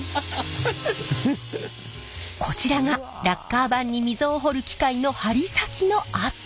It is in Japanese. こちらがラッカー盤に溝を彫る機械の針先のアップ。